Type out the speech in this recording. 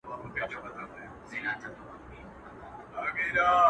• دا سودا مي ومنه که ښه کوې,